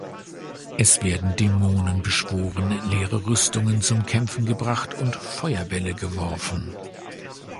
Es werden Dämonen beschworen, leere Rüstungen zum Kämpfen gebracht und Feuerbälle geworfen.